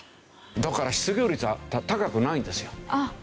だから失業率が高くないんですよ。